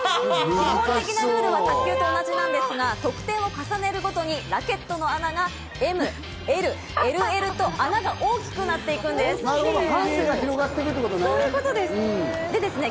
基本的なルールは卓球と同じなんですが、得点を重ねるごとにラケットの穴がＳ、Ｍ、Ｌ、ＬＬと穴が大きくなってハンデが広がっていくってことね。